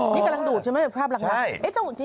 นี่กำลังดูดใช่ไหมภาพรักรัก